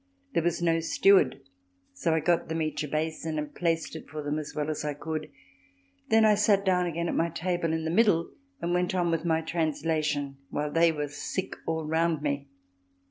There was no steward, so I got them each a basin and placed it for them as well as I could; then I sat down again at my table in the middle and went on with my translation while they were sick all round me.